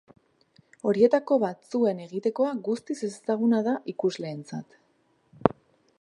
Horietako batzuen egitekoa guztiz ezezaguna da ikusleentzat.